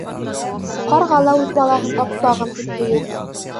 Ҡарға ла үҙ балаһын «аппағым» тип һөйөр